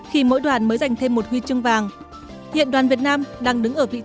khi mỗi đoàn mới giành thêm một huy chương vàng hiện đoàn việt nam đang đứng ở vị trí thứ một mươi sáu